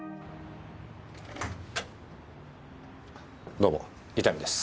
どうも伊丹です。